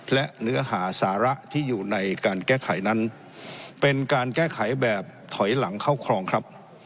และเนื้อหาสาระที่อยู่ในการแก้ไขนั้นเป็นการแก้ไขแบบถอยหลังเข้าครองครับ